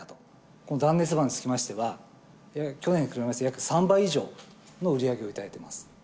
この断熱窓につきましては、去年と比べまして約３倍以上の売り上げを頂いてます。